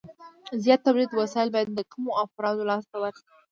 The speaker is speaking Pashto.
زیات تولیدي وسایل باید د کمو افرادو لاس ته ورشي